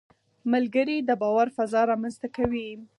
ملګری د باور فضا رامنځته کوي